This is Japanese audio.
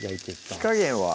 火加減は？